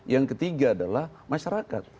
yang ketiga adalah masyarakat